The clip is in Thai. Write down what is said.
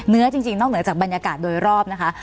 จริงนอกเหนือจากบรรยากาศโดยรอบนะคะ